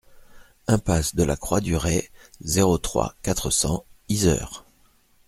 Impasse de la Croix du Retz, zéro trois, quatre cents Yzeure